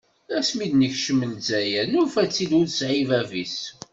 Ass mi d-nekcen Lezzayer, nufa-tt-id ur tesɛi bab-is.